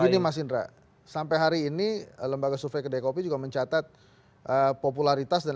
nah gini mas indra sampai hari ini lembaga survei kedai kopi juga mencatat popularitas dan elektabilitasnya pak jokowi